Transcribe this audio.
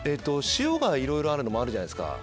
塩がいろいろあるのもあるじゃないですか。